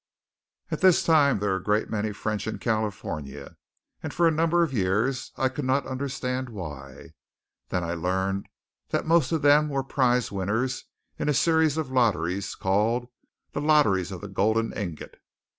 At this time there were a great many French in California; and for a number of years I could not quite understand why. Then I learned that most of them were prize winners in a series of lotteries, called the Lotteries of the Golden Ingot.